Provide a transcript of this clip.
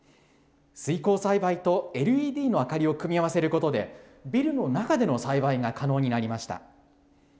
水耕栽培とＬＥＤの明かりを組み合わせることで、ビルの中での栽培が可能になりました。